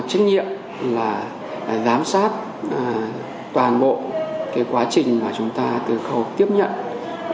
chúng ta từ khẩu tiếp nhận bảo quản vận chuyển all xin oui hoàn hảo tiếu shame